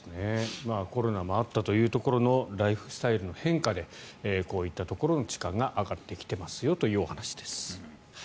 コロナもあったというところのライフスタイルの変化でこういったところの地価が上がってきてますよというお話です。